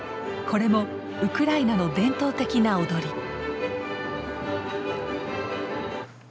これもウクライナの伝統的な踊り。